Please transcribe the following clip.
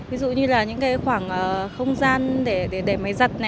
ví dụ như là những khoảng không gian để máy giặt